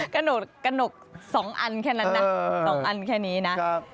กระหนก๒อันแค่นั้นนะ